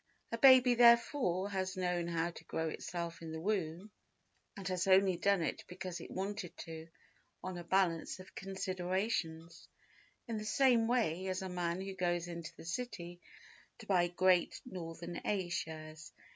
A baby, therefore, has known how to grow itself in the womb and has only done it because it wanted to, on a balance of considerations, in the same way as a man who goes into the City to buy Great Northern A Shares